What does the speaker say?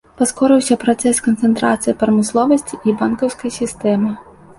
Паскорыўся працэс канцэнтрацыі прамысловасці і банкаўскай сістэмы.